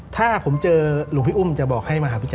ถ้าผมเจอหลวงพี่อุ้มจะบอกให้มาหาพี่แ